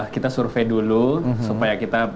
kita survei dulu supaya kita